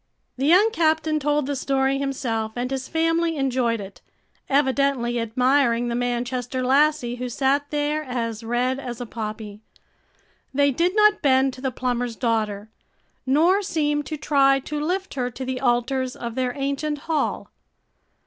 The young captain told the story himself and his family enjoyed it, evidently admiring the Manchester lassie, who sat there as red as a poppy. They did not bend to the plumber's daughter, nor seem to try to lift her to the altars of their ancient hall.